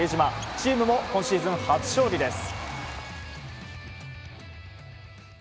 チームも今シーズン初勝利です。